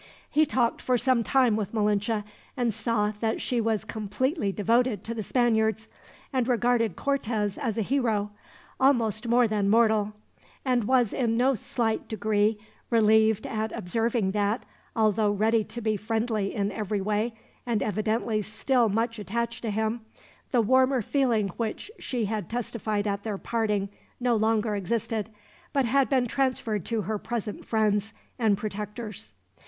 He talked for some time with Malinche, and saw that she was completely devoted to the Spaniards, and regarded Cortez as a hero, almost more than mortal; and was in no slight degree relieved at observing that, although ready to be friendly in every way, and evidently still much attached to him, the warmer feeling which she had testified at their parting no longer existed, but had been transferred to her present friends and protectors.